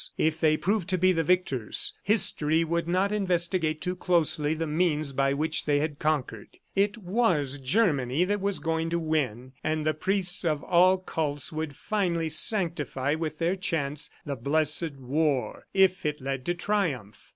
If they proved to be the victors, History would not investigate too closely the means by which they had conquered. It was Germany that was going to win, and the priests of all cults would finally sanctify with their chants the blessed war if it led to triumph.